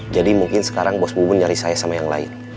jadi mungkin sekarang bos bubun nyari saya sama yang lain